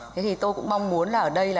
thế thì tôi cũng mong muốn là ở đây là